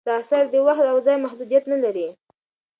دا اثر د وخت او ځای محدودیت نه لري.